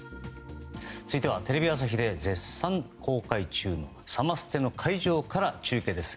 続いてはテレビ朝日で絶賛公開中のサマステの会場から中継です。